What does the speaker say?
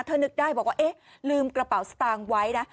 นึกได้บอกว่าเอ๊ะลืมกระเป๋าสตางค์ไว้นะ